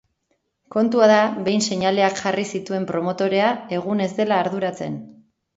Kontua da, behin seinaleak jarri zituen promotorea, egun ez dela arduratzen.